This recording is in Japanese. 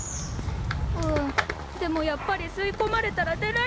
うんでもやっぱり吸いこまれたら出られないんだ。